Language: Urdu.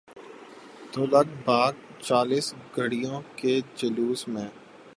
تو لگ بھگ چالیس گاڑیوں کے جلوس میں۔